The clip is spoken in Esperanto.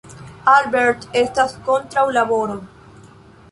Albert estas kontraŭ laboro.